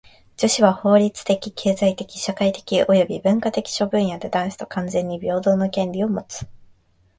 女子は法律的・経済的・社会的および文化的諸分野で男子と完全に平等の権利をもつ。